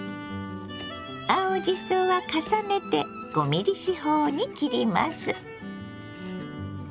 青じそは重ねて５ｍｍ四方に切ります。